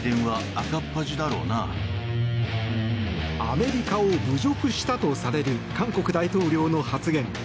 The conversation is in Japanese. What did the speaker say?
アメリカを侮辱したとされる韓国大統領の発言。